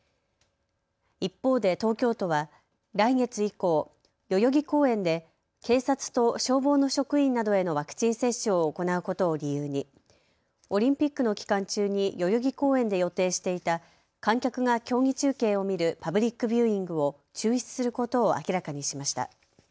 一方で東京都は来月以降、代々木公園で警察と消防の職員などへのワクチン接種を行うことを理由にオリンピックの期間中に代々木公園で予定していた観客が競技中継を見るパブリックビューイングを中止することを明らかにしました。